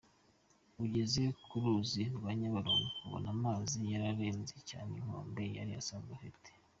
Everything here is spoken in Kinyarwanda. Ugeze ku ruzi rwa Nyabarongo, ubona amazi yararenze cyane inkombe yari asanzwe afite.